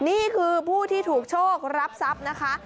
นี่คือผู้ที่ถูกโชครับทรัพย์นะคะ